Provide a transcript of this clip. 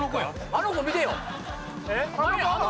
あの子見てよ。